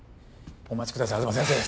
お待ちください